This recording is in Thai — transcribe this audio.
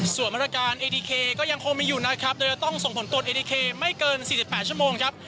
ส่วนมาตรการเอดีเคก็ยังคงมีอยู่นะครับโดยจะต้องส่งผลตรวจเอดีเคไม่เกิน๔๘ชั่วโมงครับ